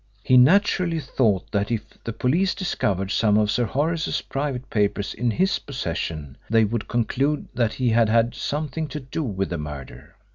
He naturally thought that if the police discovered some of Sir Horace's private papers in his possession they would conclude that he had had something to do with the murder.